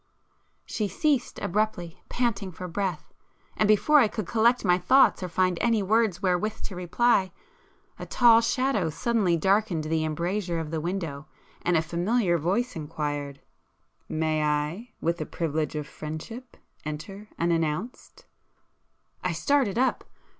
She ceased abruptly, panting for breath,—and before I could collect my thoughts or find any words wherewith to [p 339] reply, a tall shadow suddenly darkened the embrasure of the window, and a familiar voice enquired— "May I, with the privilege of friendship, enter unannounced?" I started up.